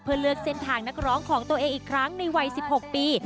เพื่อเลือกเส้นทางนักร้องของตัวเองอีกครั้งในวัย๑๖ปี